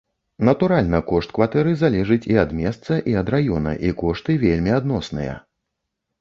Натуральна, кошт кватэры залежыць і ад месца, і ад раёна, і кошты вельмі адносныя.